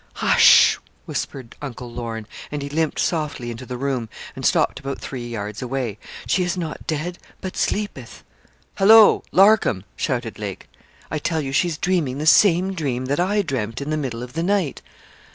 'Hush!' whispered Uncle Lorne, and he limped softly into the room, and stopped about three yards away, 'she is not dead, but sleepeth.' 'Hallo! Larcom,' shouted Lake. 'I tell you she's dreaming the same dream that I dreamt in the middle of the night.'